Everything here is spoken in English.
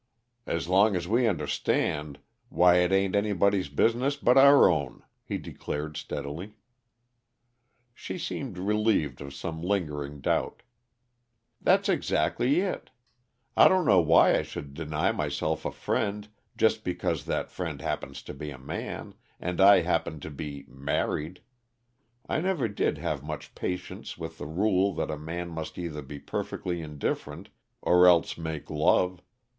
"As long as we understand, why, it ain't anybody's business but our own," he declared steadily. She seemed relieved of some lingering doubt. "That's exactly it. I don't know why I should deny myself a friend, just because that friend happens to be a man, and I happen to be married. I never did have much patience with the rule that a man must either be perfectly indifferent, or else make love.